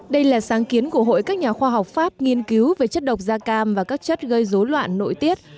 đây là sáng kiến của hội các nhà khoa học pháp nghiên cứu về chất độc da cam và các chất gây dối loạn nội tiết